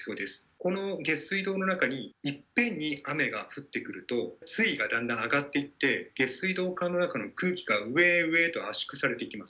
この下水道の中にいっぺんに雨が降ってくると、水位がだんだん上がってきて、下水道管の中の空気が上へ上へと圧縮されていきます。